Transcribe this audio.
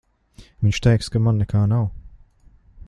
Viņš teiks, ka man nekā nav.